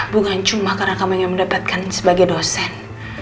bukan cuma karena kamu ingin mendapatkan sebagai dosen